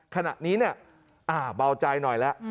ขณะนี้เนี่ยเบาใจหน่อยแล้ว